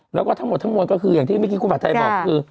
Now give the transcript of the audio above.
แล้วก็ทั้งหมดทั้งมวลก็คืออย่างที่เมื่อกี้คุณผัดไทยบอกคือ